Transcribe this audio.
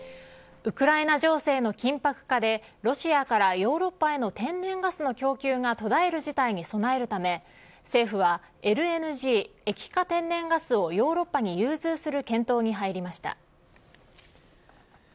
ウクライナ情勢の緊迫化でロシアからヨーロッパへの天然ガスの供給が途絶える事態に備えるため政府は、ＬＮＧ液化天然ガスをヨーロッパに融通する検討に入りました。